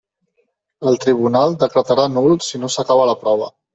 El tribunal decretarà nul si no s'acaba la prova.